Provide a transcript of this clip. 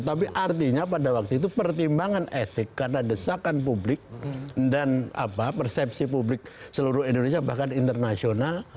tapi artinya pada waktu itu pertimbangan etik karena desakan publik dan persepsi publik seluruh indonesia bahkan internasional